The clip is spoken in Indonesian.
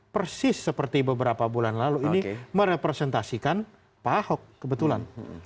persis seperti beberapa bulan lalu ini merepresentasikan pahok kebetulan